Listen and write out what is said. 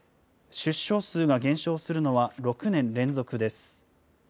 出生数が減少するのは６年連続です。